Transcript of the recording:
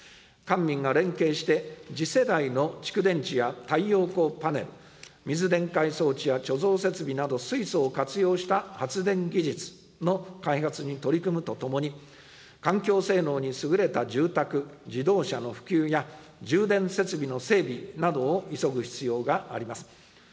官民が連携して、次世代の蓄電池や太陽光パネル、水電解装置や貯蔵設備など、水素を活用した発電技術の開発に取り組むとともに、環境性能に優れた住宅、自動車の普及や充電設備の整備などを急ぐ必要があります。